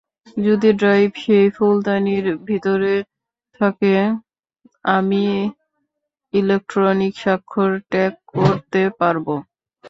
যদি ড্রাইভ সেই ফুলদানির ভিতরে থাকে, আমি আমি ইলেকট্রনিক স্বাক্ষর ট্যাগ করতে পারবো।